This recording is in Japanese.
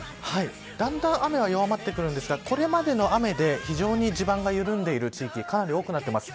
だんだん雨は弱まってくるんですがこれまでの雨で非常に地盤が緩んでいる地域かなり多くなっています。